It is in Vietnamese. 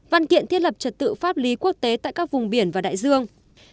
văn kiện thiết lập trật tự pháp lý quốc tế tại các vùng biển và đại dương